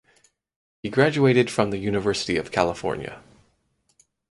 He graduated from the University of California.